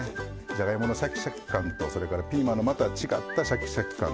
じゃがいものシャキシャキ感とそれからピーマンのまた違ったシャキシャキ感ですね。